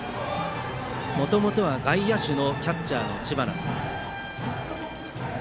もともとは外野手のキャッチャーの知花。